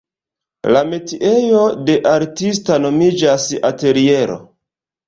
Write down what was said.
La metiejo de artista nomiĝas ateliero.